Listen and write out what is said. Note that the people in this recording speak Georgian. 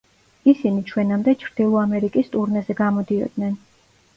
ისინი ჩვენამდე ჩრდილო ამერიკის ტურნეზე გამოდიოდნენ.